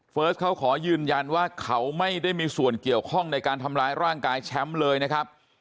เขาขอยืนยันว่าเขาไม่ได้มีส่วนเกี่ยวข้องในการทำร้ายร่างกายแชมป์เลยนะครับ